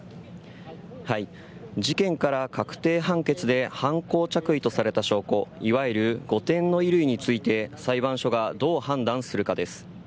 事件から確定判決で犯行着衣とされた証拠いわゆる、５点の衣類について裁判所が、どう判断するかです。